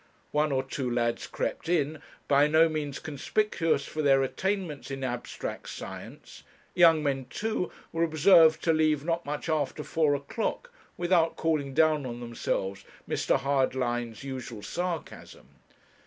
One or two lads crept in, by no means conspicuous for their attainments in abstract science; young men, too, were observed to leave not much after four o'clock, without calling down on themselves Mr. Hardlines' usual sarcasm.